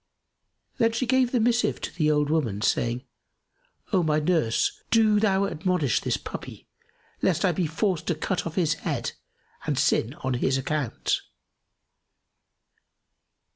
Then she gave the missive to the old woman, saying, "O my nurse, do thou admonish this puppy lest I be forced to cut off his head and sin on his account."